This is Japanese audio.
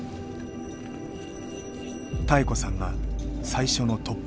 妙子さんが最初のトップ。